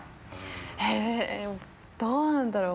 えどうなんだろう？